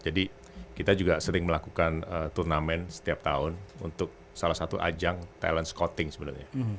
jadi kita juga sering melakukan turnamen setiap tahun untuk salah satu ajang talent scouting sebenarnya